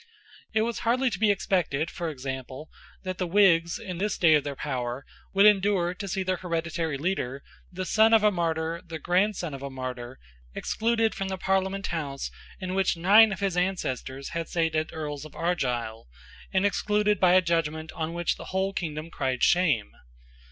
It was hardly to be expected, for example, that the Whigs, in this day of their power, would endure to see their hereditary leader, the son of a martyr, the grandson of a martyr, excluded from the Parliament House in which nine of his ancestors had sate as Earls of Argyle, and excluded by a judgment on which the whole kingdom cried shame.